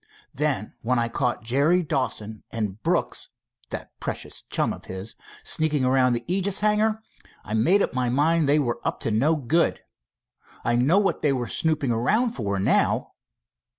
Then when I caught Jerry Dawson and Brooks, that precious chum of his, sneaking around the Aegis hangar, I made up my mind that they were up to no good. I know what they were snooping around for, now."